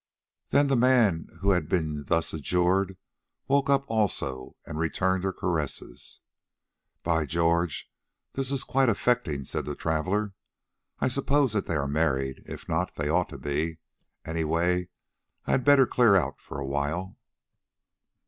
Then the man who had been thus adjured woke up also and returned her caresses. "By George! this is quite affecting," said the traveller. "I suppose that they are married; if not, they ought to be. Any way, I had better clear out for a while."